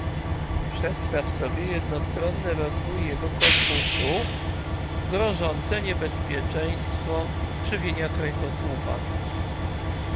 "Przedstaw sobie jednostronny rozwój jego korpusu, grożące niebezpieczeństwo skrzywienia kręgosłupa."